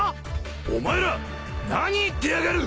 お前ら何言ってやがる！